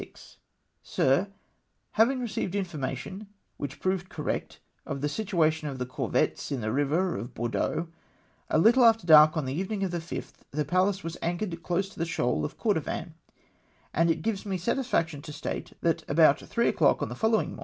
Sir, — Having received information — which proved cor rect — of the situation of the corvettes in the river of Bor deaux, a little after dark on the evening of the 5th, the Pallas was anchored close to the shoal of Cordovan, and it gives me satisfaction to state that about 3 o'clock on the folio wine: 192 OFF CIIASSEEON.